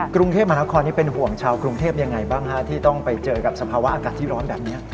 กรุงเทพมหานครนี่เป็นห่วงชาวกรุงเทพยังไงบ้างฮะที่ต้องไปเจอกับสภาวะอากาศที่ร้อนแบบนี้